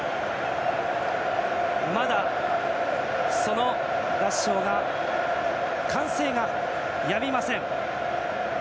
まだその合唱が、歓声がやみません。